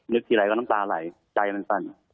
ทีไรก็น้ำตาไหลใจมันสั่น